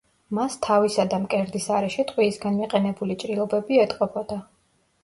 მას თავისა და მკერდის არეში ტყვიისგან მიყენებული ჭრილობები ეტყობოდა.